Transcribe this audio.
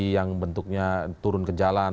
yang bentuknya turun ke jalan